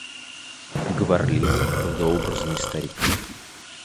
Говорливый, благообразный старик.